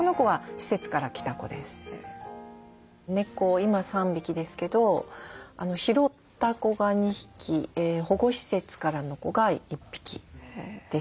今３匹ですけど拾った子が２匹保護施設からの子が１匹です。